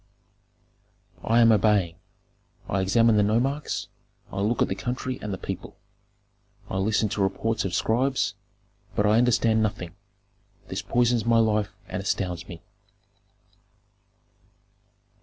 "I am obeying. I examine the nomarchs, I look at the country and the people. I listen to reports of scribes, but I understand nothing; this poisons my life and astounds me.